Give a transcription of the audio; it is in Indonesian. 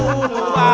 tunggu aku bisa kan